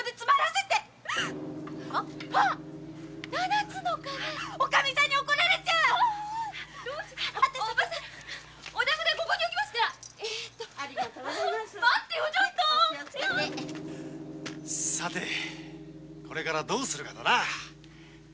さて「これからどうするか？」だな。